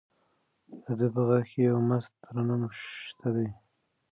د ده په غږ کې یو مست ترنم شته دی.